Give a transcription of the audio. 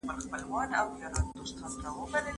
زه مخکي موسيقي اورېدلې وه؟